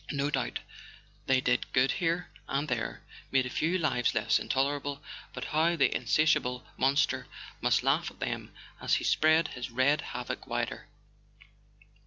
No doubt they did good here and there, made a few lives less intolerable; but how the insatiable monster must laugh at them as he spread his red havoc wider!